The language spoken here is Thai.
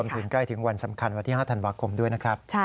ถึงใกล้ถึงวันสำคัญวันที่๕ธันวาคมด้วยนะครับ